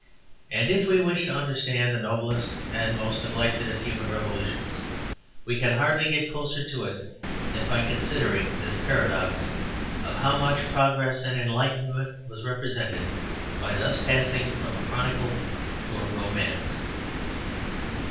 And if we wish to understand the noblest and most neglected of human revolutions, we can hardly get closer to it than by considering this paradox, of how much progress and enlightenment was represented by thus passing from a chronicle to a romance.